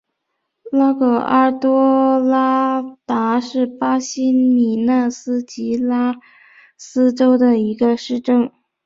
拉戈阿多拉达是巴西米纳斯吉拉斯州的一个市镇。